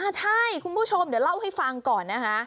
ใช่คุณผู้ชมเดี๋ยวเล่าให้ฟังก่อนนะคะ